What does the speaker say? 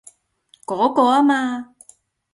嗰個啊嘛？